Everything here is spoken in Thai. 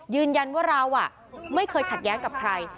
ยืนยันว่าเราไม่เคยขัดแย้งกับใคร